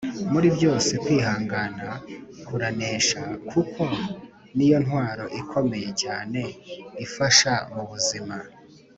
muri byose kwihangana kuranesha kuko niyo ntwaro ikomeye cyane ifasha mubuzima